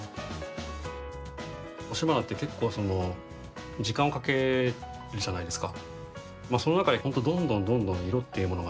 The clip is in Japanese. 押し花って結構時間をかけるじゃないですか。